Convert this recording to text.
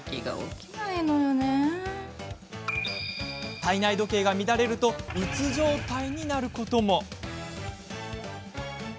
体内時計が乱れるとうつ状態になることも。